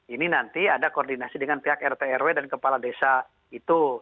ini nanti ada koordinasi dengan pihak rt rw dan kepala desa itu